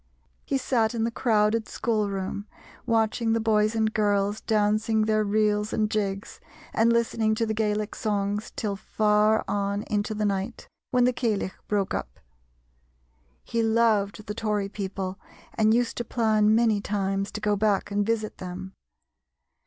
He sat in the crowded schoolroom, watching the boys and girls dancing their reels and jigs, and listening to the Gaelic songs till far on into the night, when the Ceilidh broke up. He loved the Tory people and used to plan many times to go back and visit them.